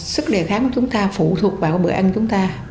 sức đề kháng của chúng ta phụ thuộc vào bữa ăn chúng ta